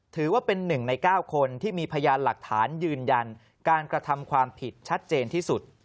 ถือว่าเป็น๑ใน๙คนที่มีพยานหลักฐานยืนยันการกระทำความผิดชัดเจนที่สุด